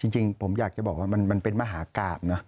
จริงผมอยากจะบอกว่ามันเป็นมหากราบนะ